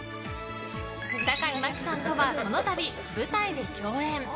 坂井真紀さんとはこのたび、舞台で共演。